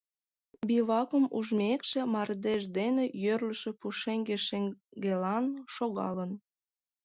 Бивакым ужмекше, мардеж дене йӧрлшӧ пушеҥге шеҥгелан шогалын.